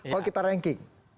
kalau kita ranking